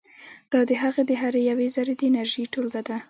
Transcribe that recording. دا د هغه د هرې یوې ذرې د انرژي ټولګه ده.